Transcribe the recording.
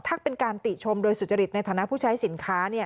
ถ้าเป็นการติชมโดยสุจริตในฐานะผู้ใช้สินค้า